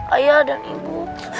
ayah dan ibu